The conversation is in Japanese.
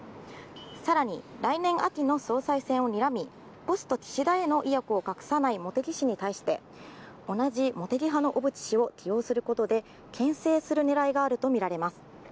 さらに来年秋の総裁選をにらみ、ポスト岸田への意欲を隠さない茂木氏に対して、同じ茂木派の小渕氏を起用することでけん制する狙いがあるとみられます。